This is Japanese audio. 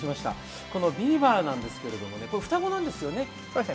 ビーバーなんですけれども、双子なんですよね。